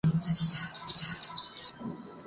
Alrededor del pico presenta cerdas a modo de vibrisas.